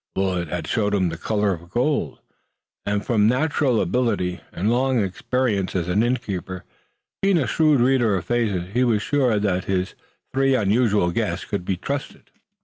Willet had shown him the color of gold, and from natural ability and long experience as an innkeeper being a shrewd reader of faces he was sure that his three unusual guests could be trusted.